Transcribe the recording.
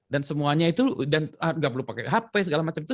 dan semuanya itu dan tidak perlu pakai hp segala macam itu